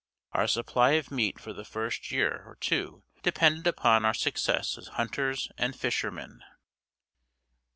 Our supply of meat for the first year or two depended upon our success as hunters and fishermen.